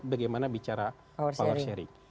bagaimana bicara power sharing